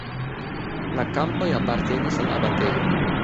La kampoj apartenis al abatejo.